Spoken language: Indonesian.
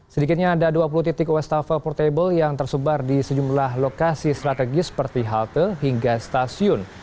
sedikitnya ada dua puluh titik wastafel portable yang tersebar di sejumlah lokasi strategis seperti halte hingga stasiun